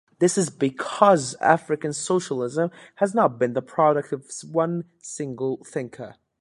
This is because African socialism has not been the product of one single thinker.